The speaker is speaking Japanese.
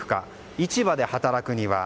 市場で働くには？